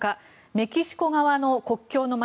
メキシコ側の国境の街